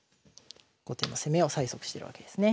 後手の攻めを催促してるわけですね。